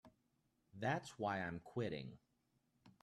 That's why I'm quitting.